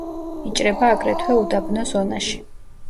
იჭრება აგრეთვე უდაბნო ზონაში.